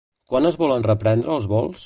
Quan es volen reprendre els vols?